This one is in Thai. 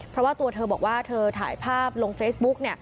เพราะว่าตัวเธอบอกว่าเธอถ่ายภาพลงเฟซบุ๊ก